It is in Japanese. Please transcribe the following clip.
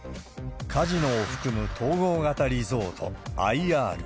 カジノを含む統合型リゾート・ＩＲ。